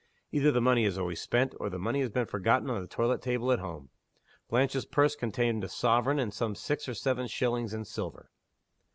Either the money is always spent, or the money has been forgotten on the toilet table at home. Blanche's purse contained a sovereign and some six or seven shillings in silver.